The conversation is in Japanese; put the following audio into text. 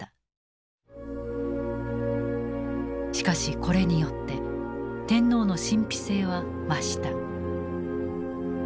しかしこれによって天皇の神秘性は増した。